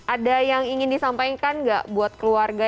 ada yang ingin disampaikan gak buat keluarga